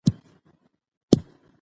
بې سوادي په تعلیم سره کمیږي.